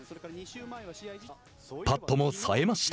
パットもさえました。